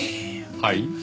はい？